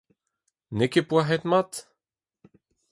N’eo ket poazhet mat ?